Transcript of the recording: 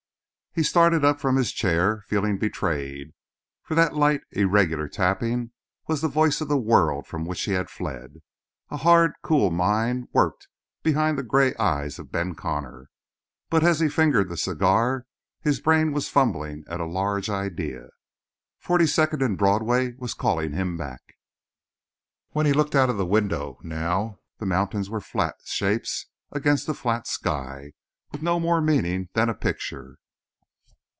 He started up from his chair, feeling betrayed, for that light, irregular tapping was the voice of the world from which he had fled. A hard, cool mind worked behind the gray eyes of Ben Connor, but as he fingered the cigar his brain was fumbling at a large idea. Forty Second and Broadway was calling him back. When he looked out the window, now, the mountains were flat shapes against a flat sky, with no more meaning than a picture.